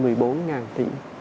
mười bốn ngàn tỷ